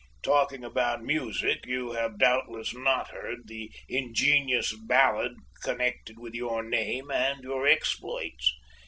Talking about music, you have doubtless not heard the ingenious ballant connected with your name and your exploits.